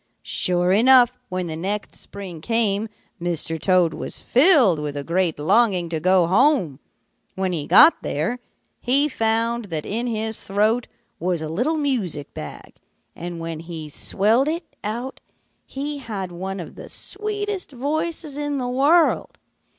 "Sure enough, when the next spring came, Mr. Toad was filled with a great longing to go home. When he got there, he found that in his throat was a little music bag; and when he swelled it out, he had one of the sweetest voices in the world.